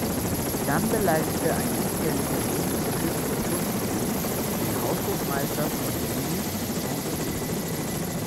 Dann beleidigte ein unehelicher Sohn des Fürsten Tournemire den Haushofmeister von Louis d’Anjony.